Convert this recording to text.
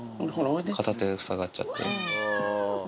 片手塞がっちゃって。